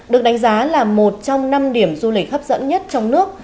được đánh giá là một trong năm điểm du lịch hấp dẫn nhất trong nước